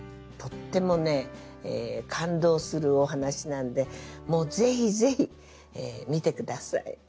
とってもね感動するお話なんでもうぜひぜひ見てください。